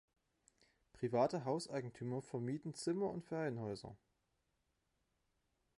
Private Hauseigentümer vermieten Zimmer und Ferienhäuser.